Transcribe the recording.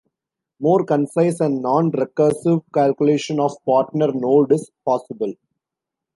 More concise and non-recursive calculation of partner node is possible.